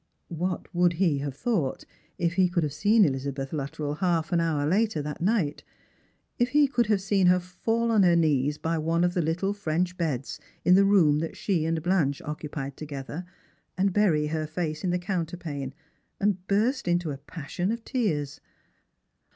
What would he have thought, if he could have seen Elizabeth Luttrell half an hour later that night, if he could hp"<^, seen her fall on her knees by one of the little French beds m the room that she and Blanche occupied together, and bury her face in the counterpane and burst into a passion of tears